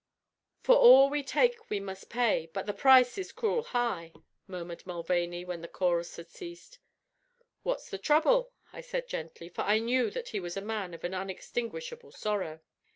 "For all we take we must pay; but the price is cruel high," murmured Mulvaney when the chorus had ceased. "What's the trouble?" I said gently, for I knew that he was a man of an inextinguishable sorrow.